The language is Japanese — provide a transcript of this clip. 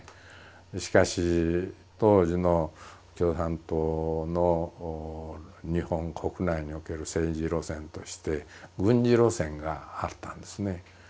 しかし当時の共産党の日本国内における政治路線として軍事路線があったんですね。